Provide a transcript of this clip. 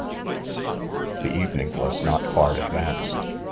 21 The evening was not far advanced.'